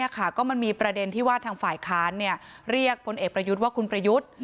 ก็มันมีประเด็นที่ว่าทางฝ่ายค้านเรียกพลเอกประยุทธ์ว่าคุณประยุทธ์